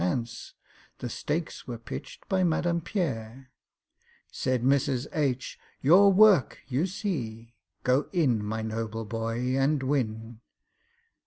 HANCE, The stakes were pitched by MADAME PIERRE. Said MRS. H., "Your work you see— Go in, my noble boy, and win."